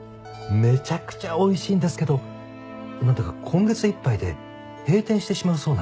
めちゃくちゃおいしいんですけどなんだか今月いっぱいで閉店してしまうそうなんです。